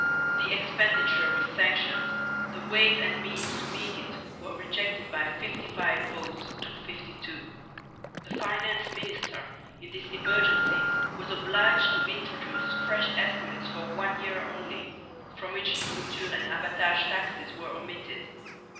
The expenditure was sanctioned, the ways and means to meet it were rejected by 55 votes to 52. The Finance Minister in this emergency was obliged to introduce fresh estimates for one year only, from which the mouture and abbatage taxes were omitted.